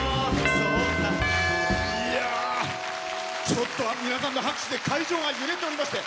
ちょっと皆さんの拍手で会場が揺れておりまして。